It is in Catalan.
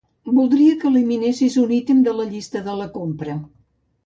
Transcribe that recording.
Voldria que eliminessis un ítem de la llista de la compra.